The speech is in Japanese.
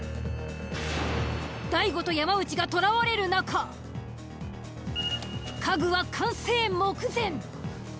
大悟と山内が捕らわれる中家具は完成目前。